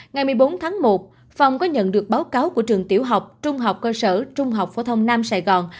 ngày một mươi bốn tháng một phòng có nhận được báo cáo của trường tiểu học trung học cơ sở trung học phổ thông nam sài gòn